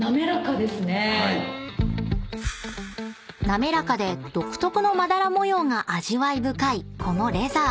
［滑らかで独特のまだら模様が味わい深いこのレザー］